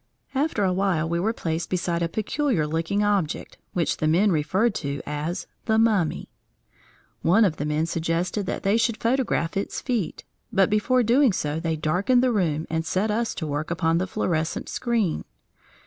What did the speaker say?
After a while we were placed beside a peculiar looking object, which the men referred to as the "mummy." One of the men suggested that they should photograph its feet, but before doing so they darkened the room and set us to work upon the fluorescent screen.